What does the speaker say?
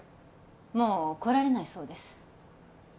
もう来られないそうです